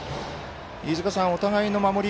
飯塚さん、お互いの守り